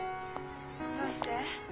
どうして？